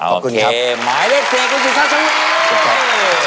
โอเคขอบคุณครับอย่างไรเสียใจเอกสุชัชวี